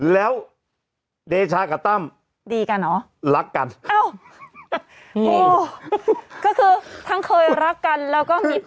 แล้วเดชากับตั้มดีกันเหรอรักกันอ้าวโอ้ยก็คือทั้งเคยรักกันแล้วก็มี